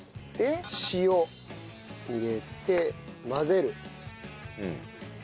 塩入れて混ぜる。